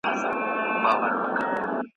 ښاروالۍ د پروژې ملاتړ کوي.